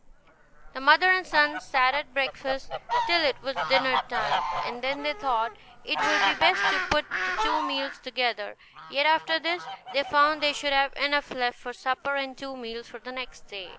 The mother and son sat at breakfast till it was dinner time, and then they thought it would be best to put the two meals together; yet after this they found they should have enough left for supper, and two meals for the next day.